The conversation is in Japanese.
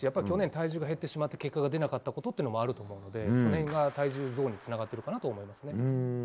去年、体重が減ってしまって結果が出なかったということもあると思うのでその辺が体重増につながっていると思います。